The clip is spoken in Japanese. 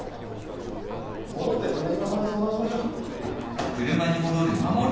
戻って鮫島さんに相談しましょう。